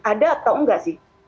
ada atau enggak sih